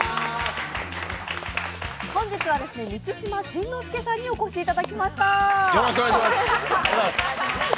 本日は満島真之介さんにお越しいただきました。